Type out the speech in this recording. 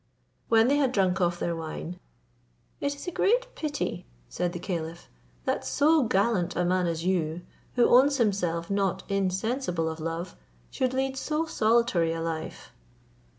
When they had drunk off their wine, "It is great pity," said the caliph, "that so gallant a man as you, who owns himself not insensible of love, should lead so solitary a life."